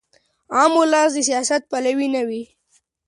عام ولس د سیاست پلوی نه وي.